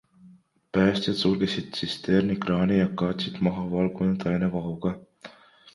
Päästjad sulgesid tsisterni kraani ja katsid maha valgunud aine vahuga.